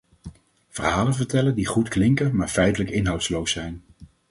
Verhalen vertellen die goed klinken maar feitelijk inhoudsloos zijn.